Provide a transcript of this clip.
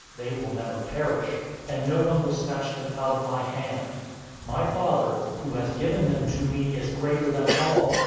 They will never perish, and no one will snatch them out of my hand. 010:029 My Father, who has given them to me, is greater than all.